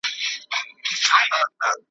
مستي خاموشه کیسې سړې دي ,